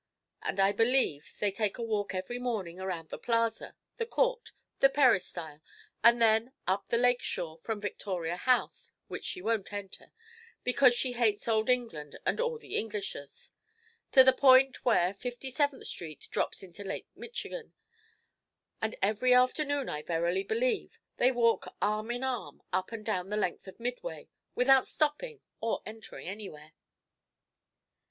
And I believe they take a walk every morning around the Plaza, the Court, the Peristyle, and then up the lake shore from Victoria House, which she won't enter because she "hates old England and all the Englishers" to the point where Fifty seventh Street drops into Lake Michigan. And every afternoon, I verily believe, they walk arm in arm up and down the length of Midway, without stopping or entering anywhere.'